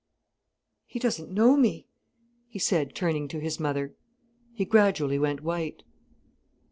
"He doesn't know me," he said, turning to his mother. He gradually went white.